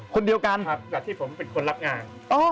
คนเดียวกันกับที่ผมเป็นคนรับงาน